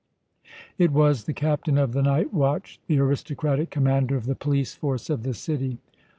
It was the captain of the nightwatch, the aristocratic commander of the police force of the city.